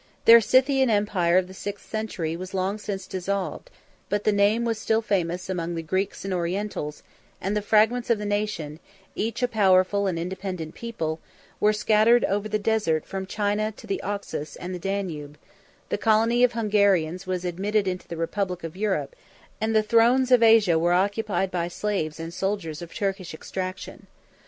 Their Scythian empire of the sixth century was long since dissolved; but the name was still famous among the Greeks and Orientals; and the fragments of the nation, each a powerful and independent people, were scattered over the desert from China to the Oxus and the Danube: the colony of Hungarians was admitted into the republic of Europe, and the thrones of Asia were occupied by slaves and soldiers of Turkish extraction.